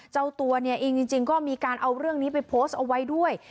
เจ้าตัวเนี่ยเองจริงก็มีการเอาเรื่องนี้ไปโพสต์เอาไว้ด้วย